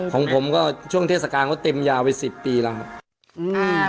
ของผมก็ช่วงเทศกาลเขาเต็มยาไว้๑๐ปีแล้ว